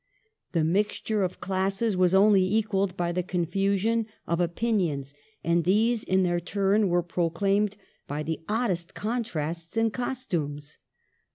The mixture of classes was only equalled by the confusion of opinions, and these, in their turn, were proclaimed by the oddest con* trasts in costumes.